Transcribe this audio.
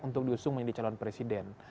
untuk diusung menjadi calon presiden